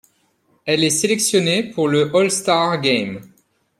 Elle est sélectionnée pour le All-Star Game.